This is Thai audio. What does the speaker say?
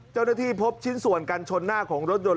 เจ้าหน้าที่พบชิ้นส่วนกันชนหน้าของรถยนต์